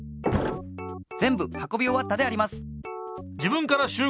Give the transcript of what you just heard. ぜんぶはこびおわったであります。